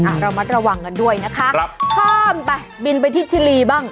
ระมัดระวังกันด้วยนะคะครับข้ามไปบินไปที่ชิลีบ้าง